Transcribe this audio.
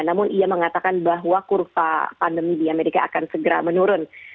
namun ia mengatakan bahwa kurva pandemi di amerika akan segera menurun